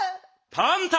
パンタ！